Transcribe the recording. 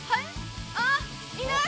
あ、いない！